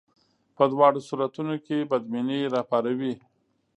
په دواړو صورتونو کې بدبیني راپاروي.